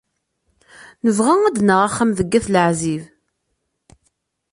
Nebɣa ad naɣ axxam g At Leɛzib.